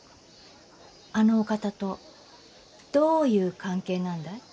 あのお方とどういう関係なんだい？